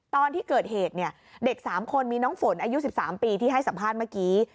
ตอนที่เกิดเหตุเนี่ยเด็ก๓คนมีน้องฝนอายุ๑๓ปีที่ให้สัมภาษณ์เมื่อกี้